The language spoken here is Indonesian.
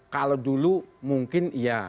kalau dulu mungkin iya